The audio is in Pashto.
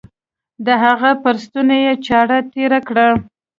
د هغه پر ستوني يې چاړه تېره کړه.